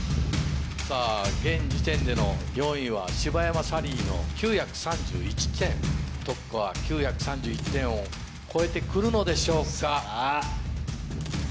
現時点での４位は柴山サリーの９３１点。とくこは９３１点を超えて来るのでしょうか。